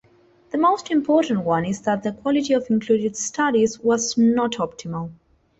The most important one is that the quality of included studies was not optimal.